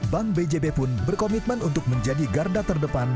bank bjb pun berkomitmen untuk menjadi garda terdepan